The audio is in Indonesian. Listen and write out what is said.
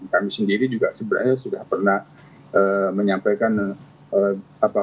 kami sendiri juga sebenarnya sudah pernah menyampaikan apa